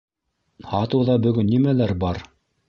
Һатыуҙа бөгөн нимәләр бар?